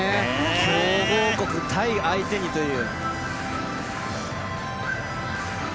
強豪国タイを相手にという。